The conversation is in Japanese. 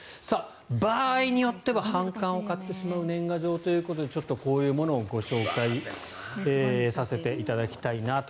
場合によっては反感を買ってしまう年賀状ということでこういうものをご紹介させていただきたいなと。